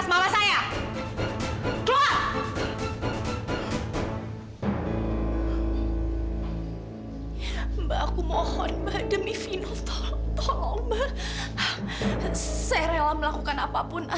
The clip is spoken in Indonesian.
sampai jumpa di video selanjutnya